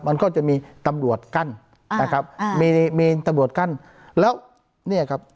มันก็จะมีตำรวจกั้นนะครับอ่ามีมีตำรวจกั้นแล้วเนี่ยครับ